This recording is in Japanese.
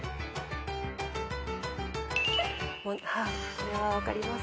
これは分かります。